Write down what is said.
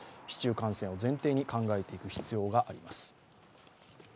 市中感染を前提に考えていく必要があります。